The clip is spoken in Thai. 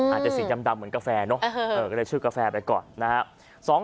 อาจจะเสียงยำดำเหมือนกาแฟเนอะก็เลยชื่อกาแฟไปก่อน